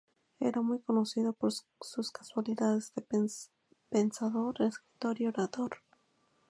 Era muy conocido por sus cualidades de pensador, escritor y orador.